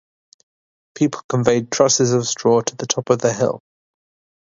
People conveyed trusses of straw to the top of the hill.